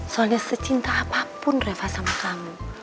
soalnya secinta apapun reva sama kamu